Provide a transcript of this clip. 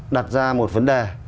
đặt ra một vấn đề